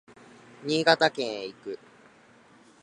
新潟県へ行く